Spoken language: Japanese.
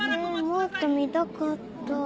えもっと見たかった。